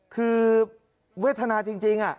คือเวทนาจริง